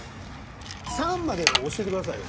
３までを教えてくださいよ。